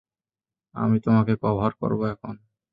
আমি তোমাকে কভার করবো এখন!